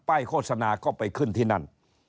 โฆษณาก็ไปขึ้นที่นั่น